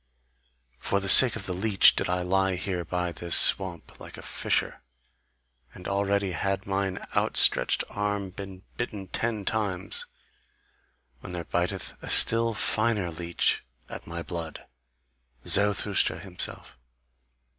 For the sake of the leech did I lie here by this swamp, like a fisher, and already had mine outstretched arm been bitten ten times, when there biteth a still finer leech at my blood, Zarathustra himself!